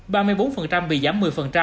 ba mươi bốn bị giảm một mươi